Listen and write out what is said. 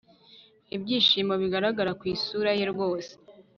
ibyishimo bigaragara kwisura ye rwose